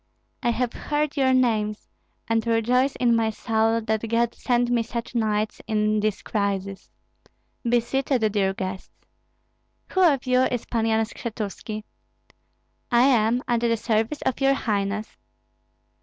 I have heard your names, and rejoice in my soul that God sent me such knights in this crisis. Be seated, dear guests. Who of you is Pan Yan Skshetuski?" "I am, at the service of your highness."